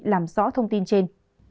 làm rõ thông tin trên